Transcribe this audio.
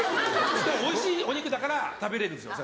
でもおいしいお肉だから食べれるんですよ